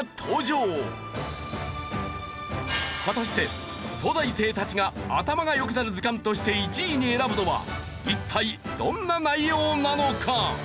果たして東大生たちが頭が良くなる図鑑として１位に選ぶのは一体どんな内容なのか？